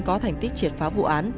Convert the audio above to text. có thành tích triệt phá vụ án